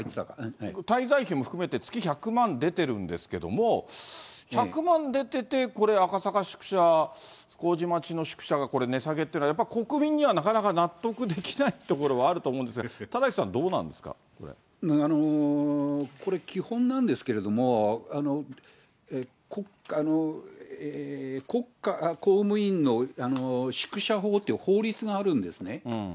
滞在費も含めて月１００万出てるんですけど、１００万出てて、これ、赤坂宿舎、麹町の宿舎が値下げっていうのは、国民にはなかなか納得できないところはあると思うんですが、田崎これ、基本なんですけれども、国家公務員の宿舎法っていう法律があるんですね。